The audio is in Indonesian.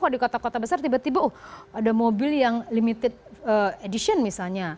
kalau di kota kota besar tiba tiba oh ada mobil yang limited edition misalnya